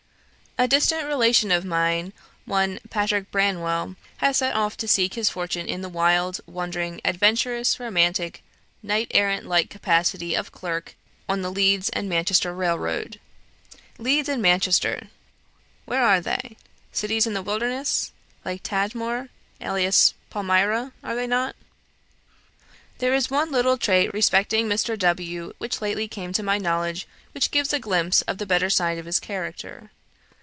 "A distant relation of mine, one Patrick Branwell, has set off to seek his fortune in the wild, wandering, adventurous, romantic, knight errant like capacity of clerk on the Leeds and Manchester Railroad. Leeds and Manchester where are they? Cities in the wilderness, like Tadmor, alias Palmyra are they not? "There is one little trait respecting Mr. W. which lately came to my knowledge, which gives a glimpse of the better side of his character.